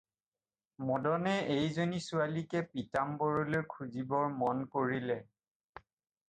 মদনে এইজনী ছোৱালীকে পীতাম্বৰলৈ খুজিবৰ মন কৰিলে।